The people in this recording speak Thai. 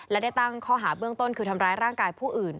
และได้ตั้งข้อหาเบื้องต้นคือทำร้ายร่างกายผู้อื่น